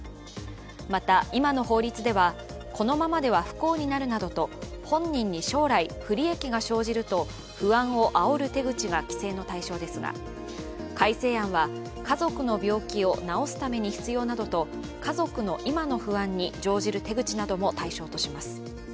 また、今の法律ではこのままでは不幸になるなど本人に将来、不利益が生じると不安をあおる手口が規制の対象ですが、改正案は家族の病気を治すために必要などと家族の今の不安に乗じる手口なども対象とします。